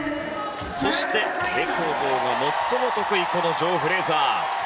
そして、平行棒が最も得意このジョー・フレーザー。